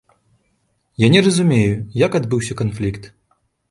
Я не разумею, як адбыўся канфлікт.